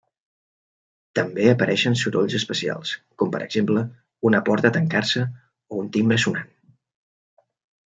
També apareixen sorolls especials, com per exemple, una porta tancar-se o un timbre sonant.